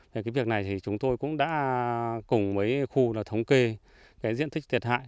cái việc này thì chúng tôi cũng đã cùng mấy khu là thống kê cái diện tích thiệt hại